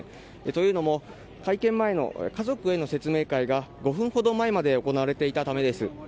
というのも、会見前の家族への説明会が５分ほど前まで行われていたためです。